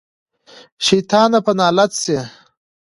شيطانه په نالت شې.